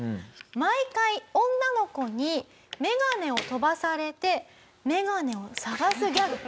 毎回女の子にメガネを飛ばされてメガネを捜すギャグ。